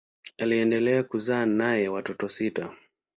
Aliendelea kuzaa naye watoto sita.